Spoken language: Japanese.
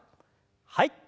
はい。